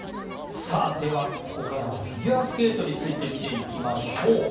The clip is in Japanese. ここからはフィギュアスケートについて見ていきましょう。